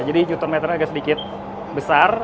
jadi jutur meternya agak sedikit besar